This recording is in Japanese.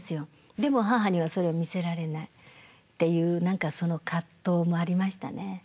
でも母にはそれは見せられないっていう何かその葛藤もありましたね。